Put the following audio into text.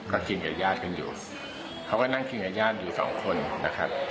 ก็กินกับญาติกันอยู่เขาก็นั่งกินกับญาติอยู่สองคนนะครับ